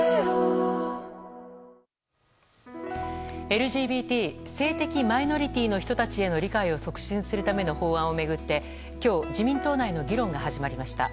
ＬＧＢＴ・性的マイノリティーの人たちへの理解を促進するための法案を巡って今日、自民党内の議論が始まりました。